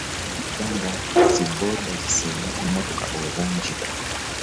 Mu Yuganda, zi booda zisinga emotoka obunji .